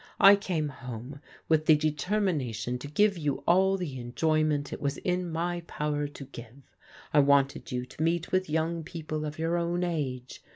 I came home with the determination to give you all the enjoyment it was in my power to give. I wanted you to meet with young people of your own age.